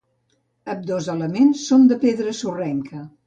Ambdós elements són de pedra sorrenca.